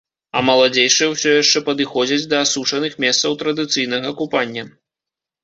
А маладзейшыя ўсё яшчэ падыходзяць да асушаных месцаў традыцыйнага купання.